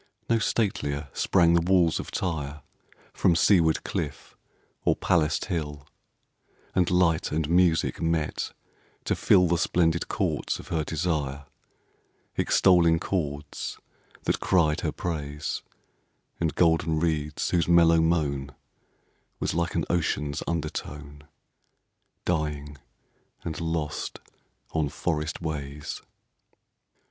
No statelier sprang the walls of Tyre From seaward cliff or palaced hill; And light and music met to fill The splendid courts of her desire — (Extolling chords that cried her praise, And golden reeds whose mellow moan Was like an ocean's undertone Dying and lost on forest ways.)